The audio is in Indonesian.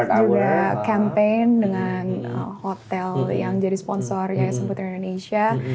juga campaign dengan hotel yang jadi sponsornya seputar indonesia